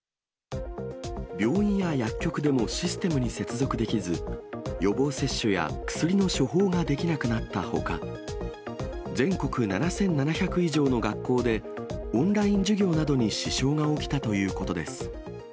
病院や薬局でもシステムに接続できず、予防接種や薬の処方ができなくなったほか、全国７７００以上の学校で、オンライン授業などに支障が起きたということです。